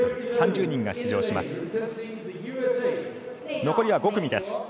３０人が出場します。